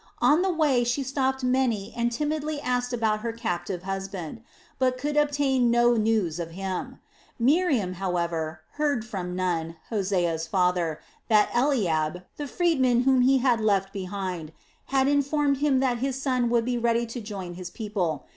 On the way she stopped many and timidly asked about her captive husband, but could obtain no news of him. Miriam, however, heard from Nun, Hosea's father, that Eliab, the freedman whom he had left behind, had informed him that his son would be ready to join his people.